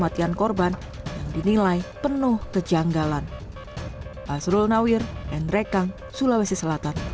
dan korban yang dinilai penuh kejanggalan asrul nawir and rekang sulawesi selatan